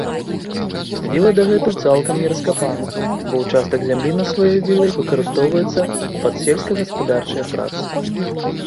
Віла дагэтуль цалкам не раскапана, бо ўчастак зямлі над вілай выкарыстоўваецца пад сельска-гаспадарчыя працы.